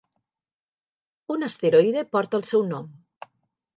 Un asteroide porta el seu nom.